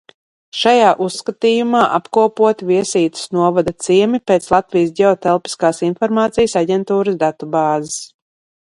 Šajā uzskatījumā apkopoti Viesītes novada ciemi pēc Latvijas Ģeotelpiskās informācijas aģentūras datubāzes.